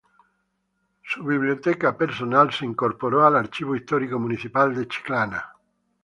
Su biblioteca personal fue incorporada al Archivo Histórico Municipal de Chiclana.